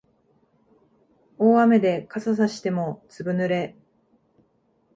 大雨で傘さしてもずぶ濡れ